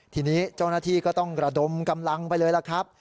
ทีนี้เจ้าหน้าที่ก็ต้องระดมกำลังไปเลยล่ะครับ